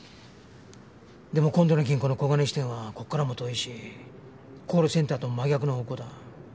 でも今度の銀行の小金井支店はここからも遠いしコールセンターとも真逆の方向だ。